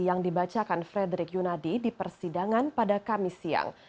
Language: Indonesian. yang dibacakan frederick yunadi di persidangan pada kamis siang